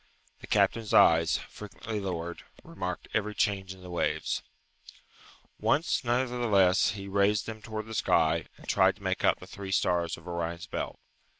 The captain's eyes, frequently lowered, remarked every change in the waves. Once nevertheless he raised them towards the sky, and tried to make out the three stars of Orion's belt.